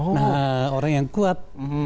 nah orang yang kuat